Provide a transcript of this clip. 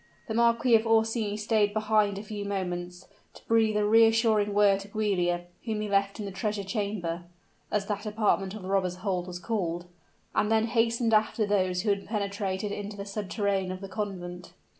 The Marquis of Orsini stayed behind a few moments, to breathe a reassuring word to Giulia, whom he left in the treasure chamber (as that apartment of the robbers' hold was called), and then hastened after those who had penetrated into the subterrane of the convent.